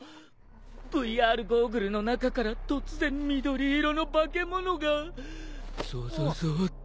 ＶＲゴーグルの中から突然緑色の化け物がぞぞぞって。